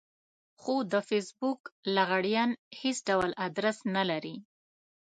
خو د فېسبوک لغړيان هېڅ ډول ادرس نه لري.